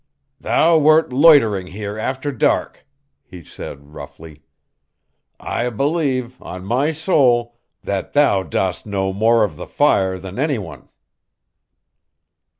"Thou wert loitering here after dark," he said roughly. "I believe, on my soul, that thou dost know more of the fire than any one."